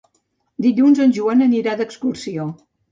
Dilluns en Joan anirà d'excursió.